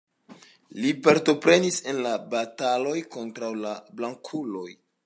Li partoprenis en la bataloj kontraŭ la blankuloj.